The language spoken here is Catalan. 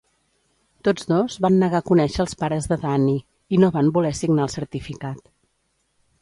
Tots dos van negar conèixer els pares de Danny, i no van voler signar el certificat.